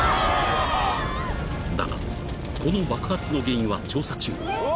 ［だがこの爆発の原因は調査中］